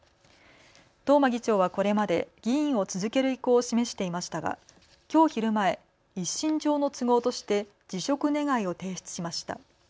東間議長は、これまで議員を続ける意向を示していましたがきょう昼前、一身上の都合として辞職願を提出しました。